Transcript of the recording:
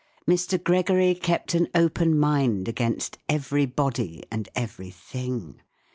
Mr, Gregory kept an open mind against everybody and everything.